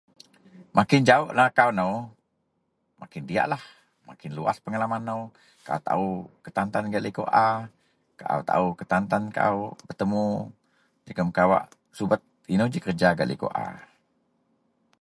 Makin jawuk lakau nou makin diyaklah, makin luwaih pengalaman nou. Kaau taou ketan-tan gak likou a. Kaau taou ketan-tan petemu jegem kawak subet inou ji kereja gak likou a.